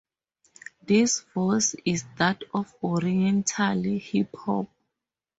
This voice is that of Oriental Hip Hop.